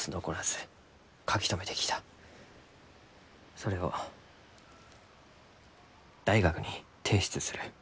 それを大学に提出する。